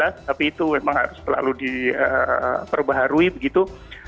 tapi itu memang harus selalu diperbaharui begitu